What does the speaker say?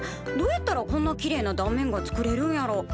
どうやったらこんなきれいな断面が作れるんやろ？